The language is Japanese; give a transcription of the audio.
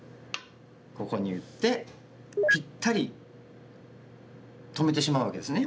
ここに打ってピッタリ止めてしまうわけですね。